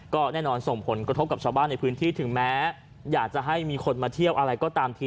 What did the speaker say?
ก็แน่นอนส่งผลกระทบกับชาวบ้านในพื้นที่ถึงแม้อยากจะให้มีคนมาเที่ยวอะไรก็ตามที